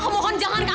aku mohon jangan